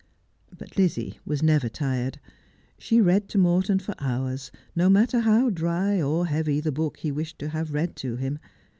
But Lizzie was never tired. She read to Morton for hours, no matter how dry or heavy the book he wished to have read to him.